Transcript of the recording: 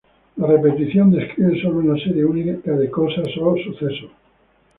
La repetición describe solo una serie única de cosas o eventos.